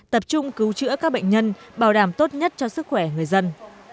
tập trung cứu chữa các bệnh nhân bảo đảm tốt nhất cho sức khỏe người dân